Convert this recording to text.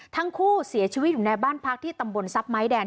ทั้งคู่เสียชีวิตอยู่ในบ้านพักที่ตำบลทรัพย์ไม้แดง